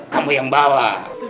kamu yang bawa